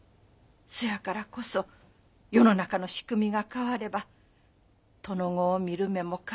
そやからこそ世の中の仕組みが変われば殿御を見る目も変わる。